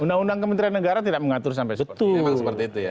undang undang kementerian negara tidak mengatur sampai seperti itu